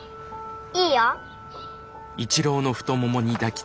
いいよ。